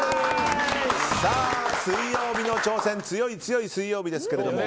水曜日の挑戦強い強い水曜日ですけれども。